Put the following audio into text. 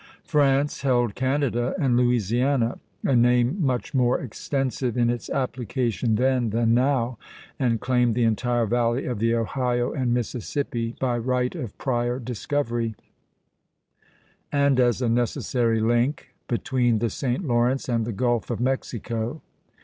France held Canada and Louisiana, a name much more extensive in its application then than now, and claimed the entire valley of the Ohio and Mississippi, by right of prior discovery, and as a necessary link between the St. Lawrence and the Gulf of Mexico.